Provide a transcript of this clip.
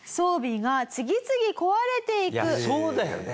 いやそうだよね。